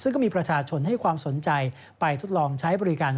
ซึ่งก็มีประชาชนให้ความสนใจไปทดลองใช้บริการ